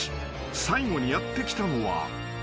［最後にやって来たのは］